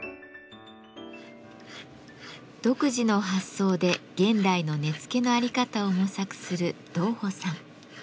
独自の発想で現代の根付のあり方を模索する道甫さん。